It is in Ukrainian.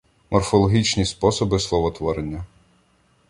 Морфологічні способи словотворення